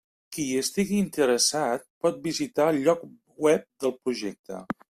Qui hi estigui interessat, pot visitar el lloc web del projecte.